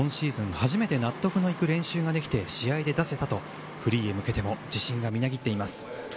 初めて納得がいく練習ができて試合で出せたとフリーへ向けて自信がみなぎっています。